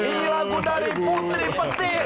ini lagu dari putri petir